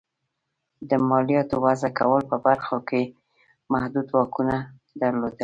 د مالیاتو وضعه کولو په برخو کې محدود واکونه درلودل.